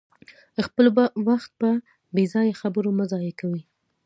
خپل وخت په بې ځایه خبرو مه ضایع کوئ.